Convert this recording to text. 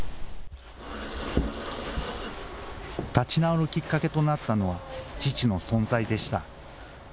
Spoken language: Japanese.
立ち直るきっかけとなったのは、父の存在でした。